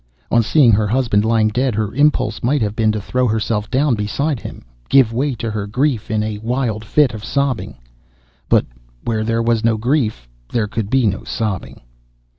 On seeing her husband lying dead her impulse might have been to throw herself down beside him, give way to her grief in a wild fit of sobbing. But where there was no grief there could be no sobbing